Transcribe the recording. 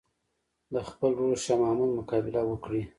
د خپل ورور شاه محمود مقابله وکړي.